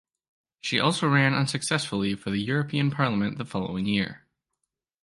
She also ran unsuccessfully for the European Parliament the following year.